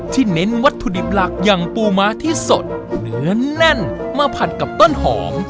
เน้นวัตถุดิบหลักอย่างปูม้าที่สดเนื้อแน่นมาผัดกับต้นหอม